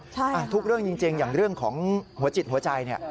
ทุกเรื่องจริงอย่างเรื่องของหัวจิตหัวใจ